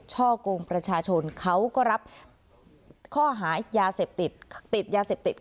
ช่อกงประชาชนเขาก็รับข้อหายาเสพติดติดยาเสพติด